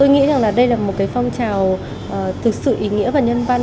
tôi nghĩ rằng đây là một phong trào thực sự ý nghĩa và nhân văn